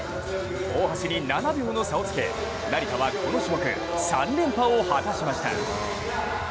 大橋に７秒の差をつけ、成田はこの種目３連覇を果たしました。